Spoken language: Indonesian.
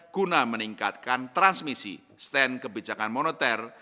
guna meningkatkan transmisi stand kebijakan moneter